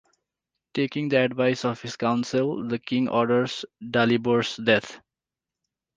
Taking the advice of his council, the king orders Dalibor's death.